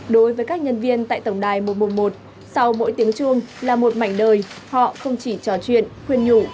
đối với các nhân viên tại tổng đài một trăm một mươi một sau mỗi tiếng chuông là một mảnh đời họ không chỉ trò chuyện khuyên nhủ